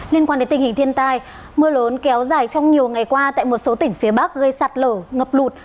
liên quan đến tình hình thiên tai mưa lớn kéo dài trong nhiều ngày qua tại một số tỉnh phía bắc gây sạt lở ngập lụt